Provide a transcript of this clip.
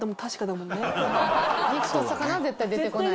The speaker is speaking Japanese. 肉と魚は絶対出てこない。